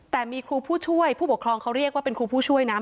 แต่มีครูผู้ช่วยผู้ปกครองเขาเรียกว่าเป็นครูผู้ช่วยนะ